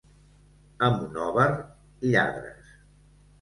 A Monòver, lladres.